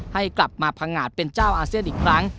ให้กลับมาพังงาดเป็นเจ้าอาเซียนอีกครั้ง